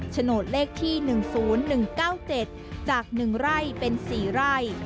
โฉนดเลขที่๑๐๑๙๗จาก๑ไร่เป็น๔ไร่